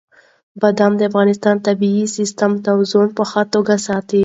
بادام د افغانستان د طبعي سیسټم توازن په ښه توګه ساتي.